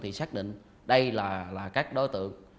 thì xác định đây là các đối tượng